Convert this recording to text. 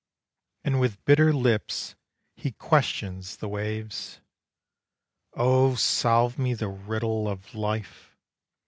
And with bitter lips he questions the waves: "Oh solve me the riddle of life!